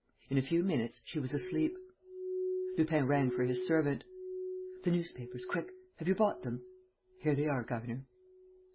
In a few minutes she was asleep. Lupin rang for his servant: "The newspapers ... quick!... Have you bought them?" "Here they are, governor."